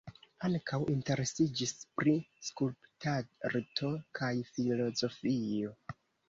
Ankaŭ interesiĝis pri skulptarto kaj filozofio.